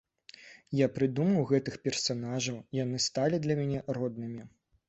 Я прыдумаў гэтых персанажаў, яны сталі мне роднымі.